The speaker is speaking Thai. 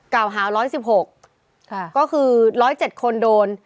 กล่าวหา๑๑๖ก็คือ๑๐๗คนโดน